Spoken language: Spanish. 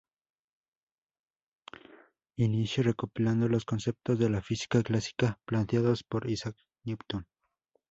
Inicia recopilando los conceptos de la física clásica, planteados por Isaac Newton.